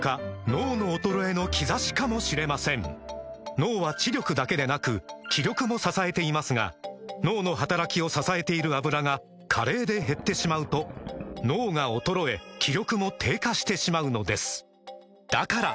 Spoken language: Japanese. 脳の衰えの兆しかもしれません脳は知力だけでなく気力も支えていますが脳の働きを支えている「アブラ」が加齢で減ってしまうと脳が衰え気力も低下してしまうのですだから！